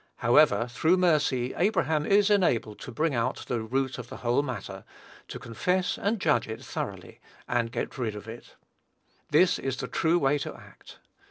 However, through mercy, Abraham is enabled to bring out the root of the whole matter, to confess and judge it thoroughly, and get rid of it. This is the true way to act.